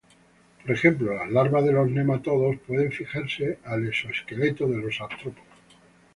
Por ejemplo, las larvas de los nematodos pueden fijarse al exoesqueleto de los artrópodos.